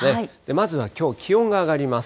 まずはきょう、気温が上がります。